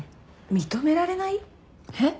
認められない？えっ？